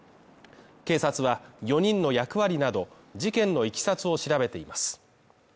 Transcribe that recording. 警察は４人の役割など、事件のいきさつを調べています。